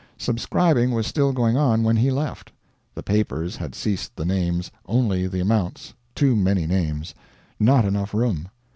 Subscribing was still going on when he left; the papers had ceased the names, only the amounts too many names; not enough room.